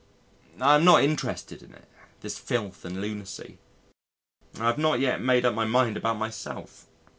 I am not interested in it this filth and lunacy. I have not yet made up my mind about myself.